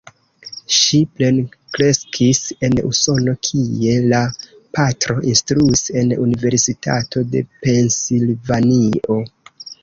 Ŝi plenkreskis en Usono, kie la patro instruis en Universitato de Pensilvanio.